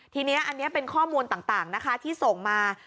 ทีนี้อันนี้เป็นข้อมูลต่างนะคะที่ส่งมา